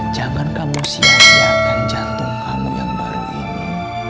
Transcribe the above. jangan kamu siapkan jantung kamu yang baru ini